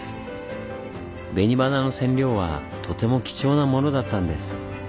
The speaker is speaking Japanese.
紅花の染料はとても貴重なものだったんです。